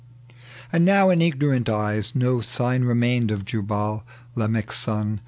And now in ignorant eyes No sign remained of .Tubal, Lamech's son.